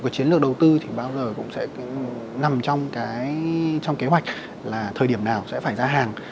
chiến lược đầu tư thì bao giờ cũng sẽ nằm trong cái trong kế hoạch là thời điểm nào sẽ phải ra hàng